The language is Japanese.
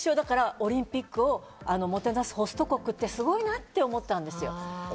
オリンピックをもてなすホスト国ってすごいなって思ったんです。